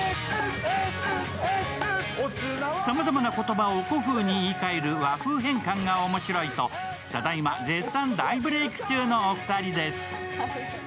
さまざまな言葉を古風に言い換える和風変換が面白いとただ今絶賛大ブレーク中のお二人です。